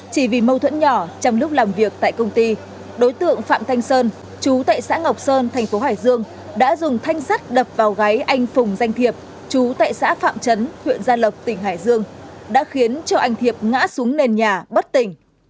chỉ vì mâu thuẫn nhỏ trong lúc làm việc tại công ty đối tượng phạm thanh sơn chú tại xã ngọc sơn thành phố hải dương đã dùng thanh sắt đập vào gáy anh phùng danh thiệp chú tại xã phạm trấn huyện gia lộc tỉnh hải dương đã khiến cho anh thiệp ngã xuống nền nhà bất tỉnh